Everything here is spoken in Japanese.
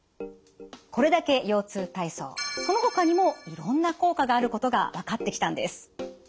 これだけ腰痛体操そのほかにもいろんな効果があることが分かってきたんです。